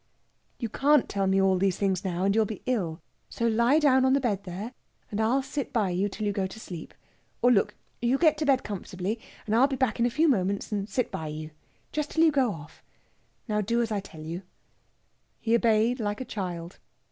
"You can't tell me all these things now, and you'll be ill; so lie down on the bed there, and I'll sit by you till you go to sleep. Or look, you get to bed comfortably, and I'll be back in a few minutes and sit by you. Just till you go off. Now do as I tell you." He obeyed like a child.